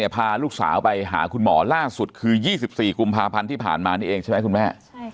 พาลูกสาวไปหาคุณหมอล่าสุดคือ๒๔กุมภาพันธ์ที่ผ่านมานี่เองใช่ไหมคุณแม่